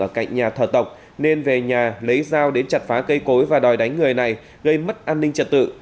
ở cạnh nhà thờ tộc nên về nhà lấy dao đến chặt phá cây cối và đòi đánh người này gây mất an ninh trật tự